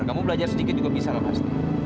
kamu belajar sedikit juga bisa loh pasti